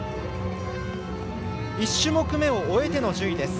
１種目めを終えての順位です。